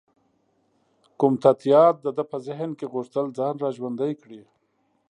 کوم تت یاد د ده په ذهن کې غوښتل ځان را ژوندی کړي.